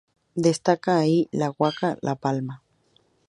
Destaca allí la huaca La Palma.